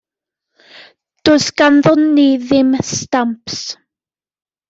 Does ganddon ni ddim stamps.